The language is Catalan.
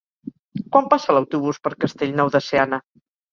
Quan passa l'autobús per Castellnou de Seana?